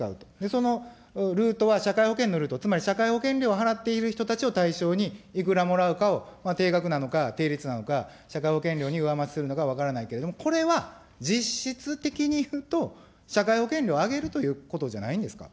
そのルートは社会保険のルート、つまり、社会保険料払っている人たちを対象に、いくらもらうかを、定額なのか、低率なのか、社会保険料に上乗せするのか分からないけれども、これは実質的に言うと、社会保険料を上げるということじゃないんですか。